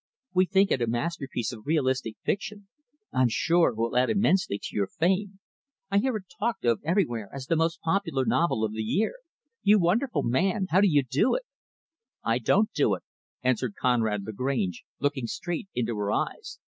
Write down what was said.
We think it a masterpiece of realistic fiction. I'm sure it will add immensely to your fame. I hear it talked of everywhere as the most popular novel of the year. You wonderful man! How do you do it?" "I don't do it," answered Conrad Lagrange, looking straight into her eyes.